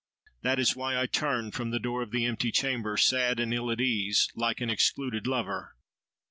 That is why I turn from the door of the empty chamber, sad and ill at ease, like an excluded lover."